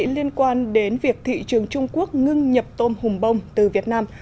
liên quan đến việc thị trường trung quốc ngưng nhập tôm hùm bông từ việt nam